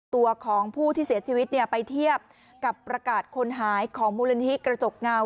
ตัวของผู้ที่เสียชีวิตไปเทียบกับประกาศคนหายของมูลนิธิกระจกเงา